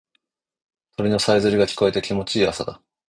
鳥のさえずりが聞こえてきて気持ちいい朝だ。